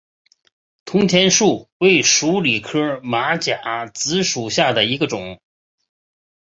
铜钱树为鼠李科马甲子属下的一个种。